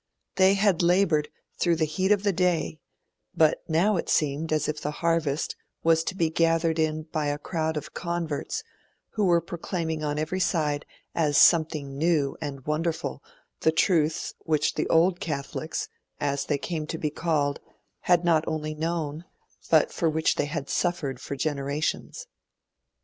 They had laboured through the heat of the day, but now it seemed as if the harvest was to be gathered in by a crowd of converts who were proclaiming on every side as something new and wonderful the truths which the Old Catholics, as they came to be called, had not only known, but for which they had suffered for generations.